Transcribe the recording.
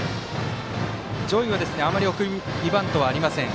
上位はあまり送りバントはありません